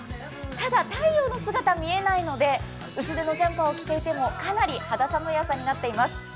ただ、太陽の姿が見えないので、薄手のジャンパーを着ていてもかなり肌寒い朝になっています。